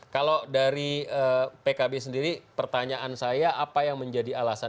kalau dari pkb sendiri pertanyaan saya apa yang menjadi alasan